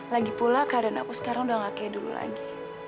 lagipula keadaan aku sekarang udah gak kayak dulu lagi